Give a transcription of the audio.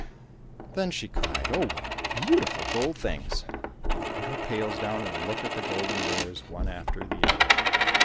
Then she cried, "Oh, what beautiful gold things!" and put her pails down and looked at the golden wares one after the other.